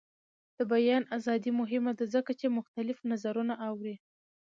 د بیان ازادي مهمه ده ځکه چې مختلف نظرونه اوري.